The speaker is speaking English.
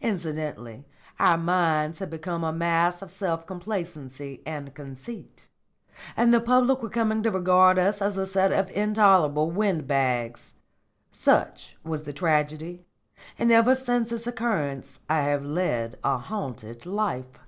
Incidentally our minds had become a mass of self complacency and conceit, and the public were coming to regard us as a set of intolerable wind bags. Such was the tragedy, and ever since its occurrence I have led a haunted life."